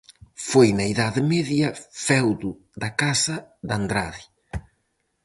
Foi na Idade Media feudo da casa de Andrade.